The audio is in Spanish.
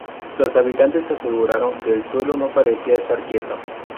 Los habitantes aseguraron que el suelo no parecía estar quieto.